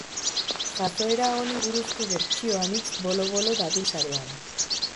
Jazoera honi buruzko bertsio anitz bolo-bolo dabil sarean.